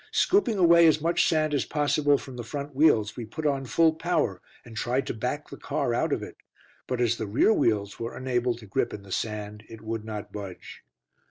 Scooping away as much sand as possible from the front wheels, we put on full power, and tried to back the car out of it. But as the rear wheels were unable to grip in the sand it would not budge.